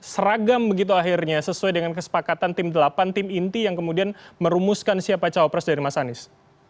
seragam begitu akhirnya sesuai dengan kesepakatan tim delapan tim inti yang kemudian merumuskan siapa cawapres dari mas anies